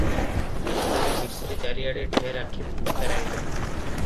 ମିଶ୍ରେ ଚାରିଆଡେ ଢେର ଆଖି ଫେରାଇଲେ ।